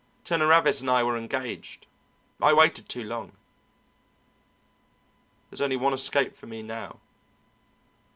Turner Ravis and I were engaged. I waited too long! There's only one escape for me now."